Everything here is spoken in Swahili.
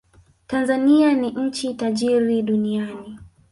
Tanzania ni nchi tajiri duniani